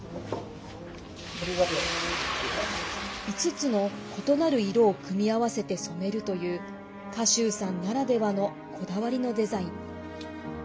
５つの異なる色を組み合わせて染めるという賀集さんならではのこだわりのデザイン。